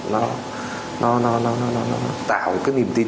nó tạo cái niềm tin